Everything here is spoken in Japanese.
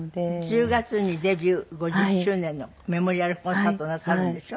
１０月にデビュー５０周年のメモリアルコンサートをなさるんでしょ？